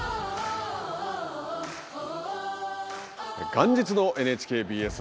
元日のＮＨＫＢＳ